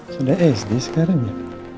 sudah sd sekarang ya